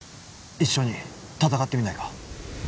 一緒に戦ってみないか？